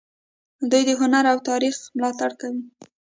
دوی د هنر او تاریخ ملاتړ کوي.